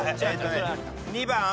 ２番。